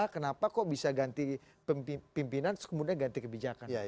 kenapa kok bisa ganti pimpinan terus kemudian ganti kebijakan